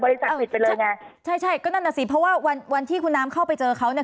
ปิดไปเลยไงใช่ใช่ก็นั่นน่ะสิเพราะว่าวันวันที่คุณน้ำเข้าไปเจอเขาเนี่ย